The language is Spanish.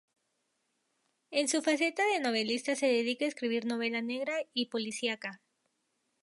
En su faceta de novelista se dedica a escribir novela negra y policiaca.